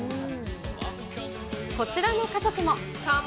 こちらの家族も。